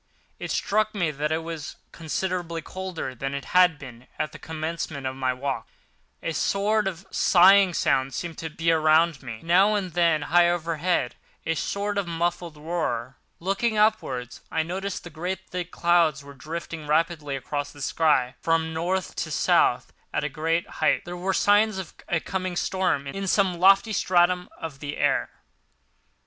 It struck me that it was considerably colder than it had been at the commencement of my walk—a sort of sighing sound seemed to be around me, with, now and then, high overhead, a sort of muffled roar. Looking upwards I noticed that great thick clouds were drifting rapidly across the sky from North to South at a great height. There were signs of coming storm in some lofty stratum of the air.